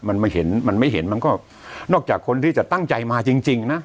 มันมาเห็นมันไม่เห็นมันก็นอกจากคนที่จะตั้งใจมาจริงจริงนะ